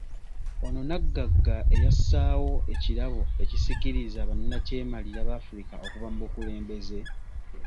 Ono Nnaggagga eyassaawo ekirabo ekisikiriza bannakyemalira ba Afirika okuva mu bukulembeze?